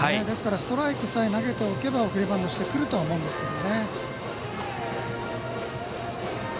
ですから、ストライクさえ投げておけば送りバントしてくると思うんです。